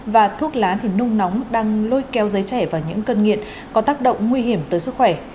và thuốc lá thì nung nóng đang lôi kéo giới trẻ vào những cân nghiện có tác động nguy hiểm tới sức khỏe